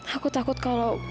aku takut kalau